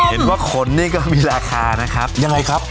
เห็นว่าขนนี่ก็มีราคานะครับยังไงครับ